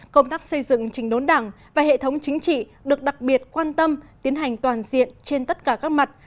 công tác xây dựng trình đốn đảng và hệ thống chính trị được đặc biệt quan tâm tiến hành toàn diện trên tất cả các mặt